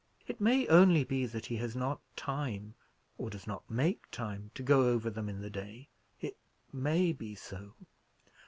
It may only be that he has not time, or does not make time, to go over them in the day. It may be so."